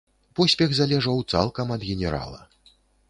Поспех залежаў цалкам ад генерала.